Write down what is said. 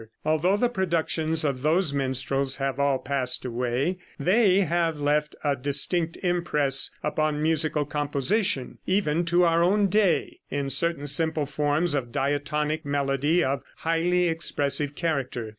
Although the productions of those minstrels have all passed away, they have left a distinct impress upon musical composition, even to our own day, in certain simple forms of diatonic melody of highly expressive character.